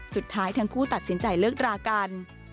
สุดท้ายทั้งคู่ตัดสินใจเลิกรากัน